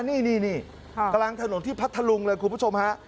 นี่นี่นี่ครับกลางถนนที่พัดทะลุงเลยคุณผู้ชมฮะ